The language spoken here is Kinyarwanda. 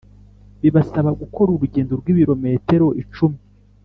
bibasaba gukora urugendo rw’Ibilometero icumi